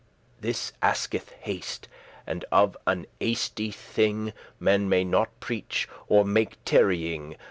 This asketh haste, and of an hasty thing Men may not preach or make tarrying.